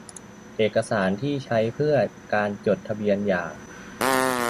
เอกสารที่ใช้เพื่อการจดทะเบียนหย่า